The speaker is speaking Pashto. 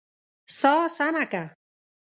سا سمه که!